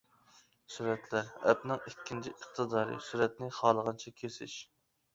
«سۈرەتلەر» ئەپنىڭ ئىككىنچى ئىقتىدارى : سۈرەتنى خالىغانچە كېسىش.